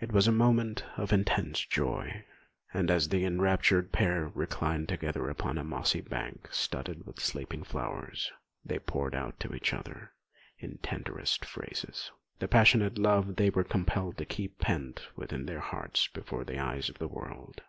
It was a moment of intense joy; and as the enraptured pair reclined together upon a mossy bank studded with sleeping flowers, they poured out to each other, in tenderest phrases, the passionate love they were compelled to keep pent within their hearts before the eyes of the world.